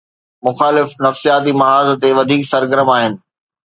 مخالف نفسياتي محاذ تي وڌيڪ سرگرم آهن.